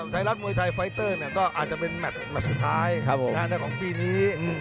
ไทยรัฐมวยไทยไฟเตอร์เนี่ยก็อาจจะเป็นแมทสุดท้ายครับผมของปีนี้อืม